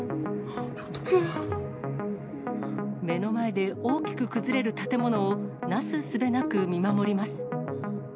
目の前で大きく崩れる建物を、なすすべなく見守ります。